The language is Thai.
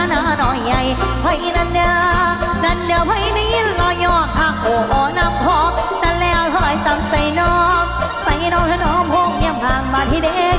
สาธุเดอร์ผู้ขาดล้ำมือนี้จงมาโปรกมาบาง